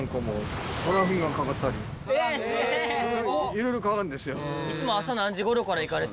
いろいろかかるんですよ。